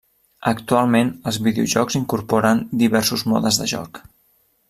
Actualment els videojocs incorporen diversos modes de joc.